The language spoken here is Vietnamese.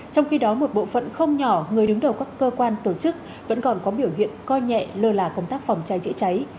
trong khi đó một bộ phận không nhỏ người đứng đầu các cơ quan tổ chức vẫn còn có biểu hiện coi nhẹ lơ là công tác phòng cháy chữa cháy